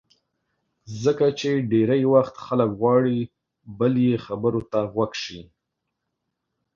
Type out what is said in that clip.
ځکه چې ډېری وخت خلک غواړي بل یې خبرو ته غوږ شي.